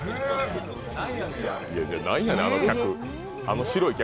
何やねん、あの客。